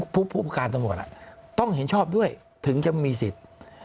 ผู้ประการตำรวจต้องเห็นชอบด้วยถึงจะมีสิทธิ์